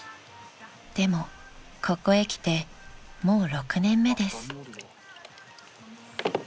［でもここへ来てもう６年目です］